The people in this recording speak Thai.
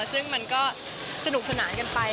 ซึ่งมันก็สนุกสนานกันไป